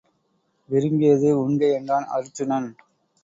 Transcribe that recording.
விரும்பியது உண்க என்றான் அருச்சுனன்.